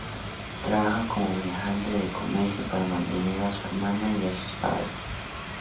Trabaja como viajante de comercio para mantener a su hermana y a sus padres.